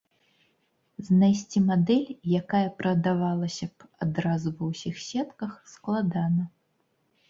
Знайсці мадэль, якая прадавалася б адразу ва ўсіх сетках, складана.